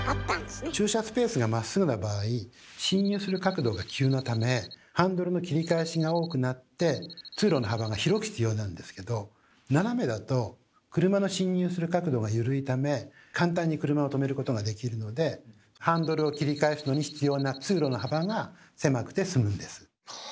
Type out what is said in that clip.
駐車スペースがまっすぐな場合侵入する角度が急なためハンドルの切り返しが多くなって通路の幅が広く必要なんですけど斜めだと車の侵入する角度が緩いため簡単に車をとめることができるのでハンドルを切り返すのに必要な通路の幅が狭くてすむんです。